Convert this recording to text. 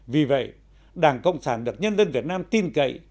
vì vậy đảng cộng sản được nhân dân việt nam tin cậy